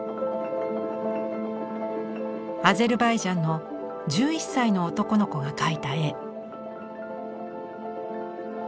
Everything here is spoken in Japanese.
アゼルバイジャンの１１歳の男の子が描いた絵。